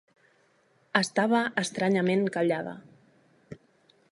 Estava estranyament callada.